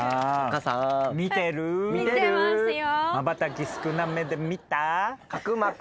見てますよ。